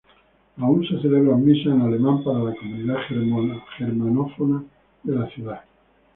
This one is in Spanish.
Aún se celebran misas en alemán para la comunidad germanófona de la ciudad.